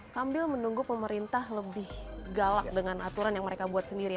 sambil menunggu pemerintah lebih galak dengan aturan yang mereka buat sendiri